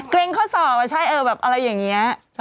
เกรงข้อสอบอ่ะใช่เออแบบอะไรอย่างนี้